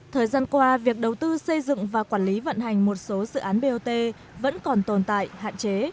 thời gian qua việc đầu tư xây dựng và quản lý vận hành một số dự án bot vẫn còn tồn tại hạn chế